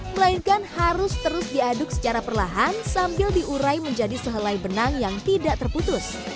melainkan harus terus diaduk secara perlahan sambil diurai menjadi sehelai benang yang tidak terputus